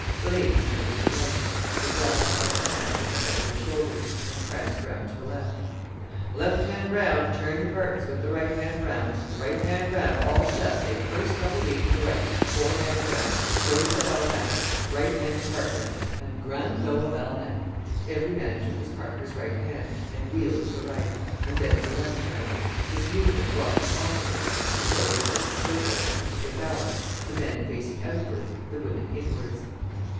The ladies turned to the right. They grasped left hands at the height of their shoulders, and pranced round to the left. "The left hand round. Turn your partners, with the right hand, round. The right hand round. All chassez! First couple lead to the right. Four hand round. Dos à balnette. Right hand to partner, and grand dos à balnette." Every man took his partner's right hand and wheeled to the right; and then her left hand. This movement brought them opposite, and so they were in a circle, at which they balanced, the men facing outwards, the women inwards.